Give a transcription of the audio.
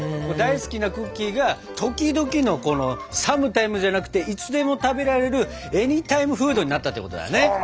大好きなクッキーが時々のこのサムタイムじゃなくていつでも食べられるエニータイムフードになったってことだね。